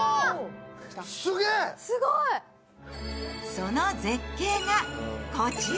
その絶景がこちら。